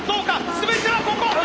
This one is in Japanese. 全てはここ！